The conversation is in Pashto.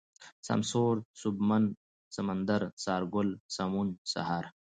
سمسور ، سوبمن ، سمندر ، سهارگل ، سمون ، سحر